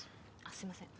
すいません